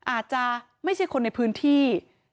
อาจจะไม่ใช่คนในพื้นที่